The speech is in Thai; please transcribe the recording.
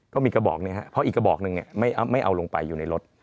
ก็มีกระบอกนี้ครับเพราะอีกกระบอกหนึ่งไม่เอาลงไปอยู่ในรถ